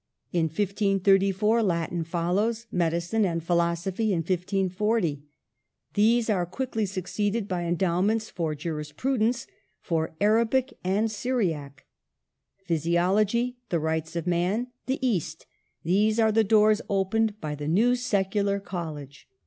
In 1534, Latin follows; medicine and philosophy in 1540; these are quickly succeeded by endowments for juris prudence, for Arabic and Syriac. Physiology, the rights of man, the East, — these are the doors opened by the new secular college.